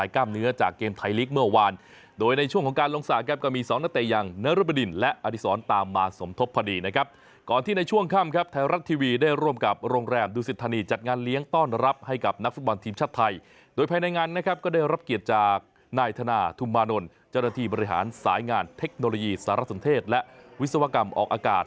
คืออย่างแรกผมรู้ว่าผมมาเข้ามาก็พยายามช่วยทีมให้ธรรมดีที่สุด